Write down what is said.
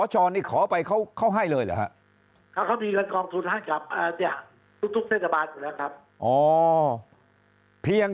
พอมีคธิพายนอบไปนับจรกรารได้ไหม